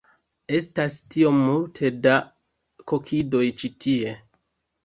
Estas tiom multe da kokidoj ĉi tie